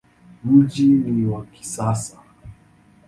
Mji ni wa kisasa.